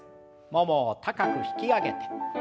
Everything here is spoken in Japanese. ももを高く引き上げて。